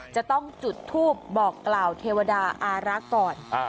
จะต้องจุดทูปบอกกล่าวเทวดาอารักษ์ก่อน